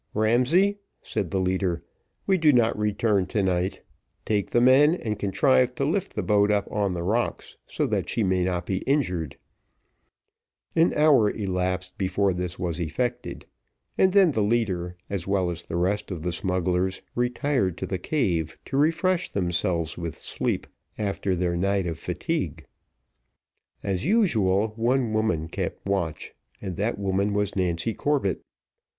"Ramsay," said the leader, "we do not return to night; take the men, and contrive to lift the boat up on the rocks, so that she may not be injured." An hour elapsed before this was effected, and then the leader, as well as the rest of the smugglers, retired to the cave to refresh themselves with sleep after their night of fatigue. As usual, one woman kept watch, and that woman was Nancy Corbett.